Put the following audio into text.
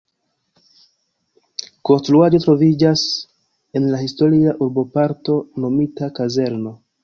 Konstruaĵo troviĝas en la historia urboparto nomita "Kazerno".